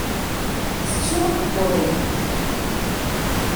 Tettuḍ akebbuḍ-ik.